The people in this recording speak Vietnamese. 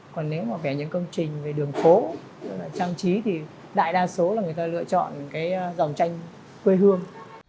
còn nếu mà vẽ những công trình về đường phố trang trí thì đại đa số là người ta lựa chọn cái dòng tranh quê hương